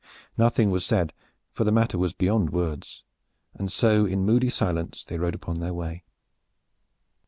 Nothing was said, for the matter was beyond words, and so in moody silence they rode upon their way.